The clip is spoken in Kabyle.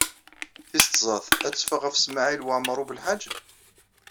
Tis tẓat ad teffeɣ ɣef Smawil Waɛmaṛ U Belḥaǧ?